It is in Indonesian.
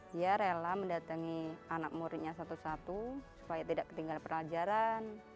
dia rela mendatangi anak muridnya satu satu supaya tidak ketinggalan pelajaran